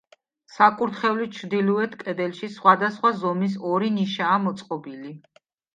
საკურთხეველის ჩრდილოეთ კედელში სხვადასხვა ზომის ორი ნიშაა მოწყობილი.